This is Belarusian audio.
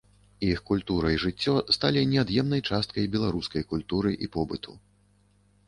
Іх культура і жыццё сталі неад'емнай часткай беларускай культуры і побыту.